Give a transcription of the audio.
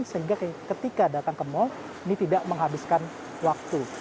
sehingga ketika datang ke mal ini tidak menghabiskan waktu